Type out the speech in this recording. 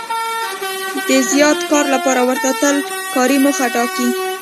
د زیات کار لپاره ورته تل کاري موخه ټاکي.